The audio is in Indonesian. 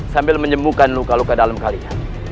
sambil menyembuhkan luka luka dalam kalinya